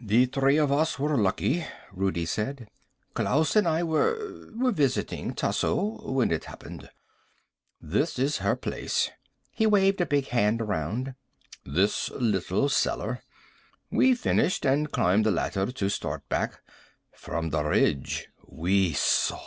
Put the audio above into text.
"The three of us were lucky," Rudi said. "Klaus and I were were visiting Tasso when it happened. This is her place." He waved a big hand around. "This little cellar. We finished and climbed the ladder to start back. From the ridge we saw.